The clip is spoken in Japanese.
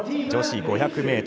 女子５００ｍ。